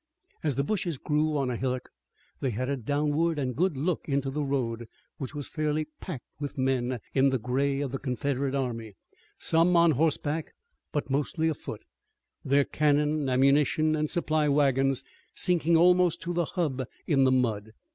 As the bushes grew on a hillock they had a downward and good look into the road, which was fairly packed with men in the gray of the Confederate army, some on horseback, but mostly afoot, their cannon, ammunition and supply wagons sinking almost to the hub in the mud.